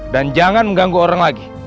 dan jangan mengganggu orang lagi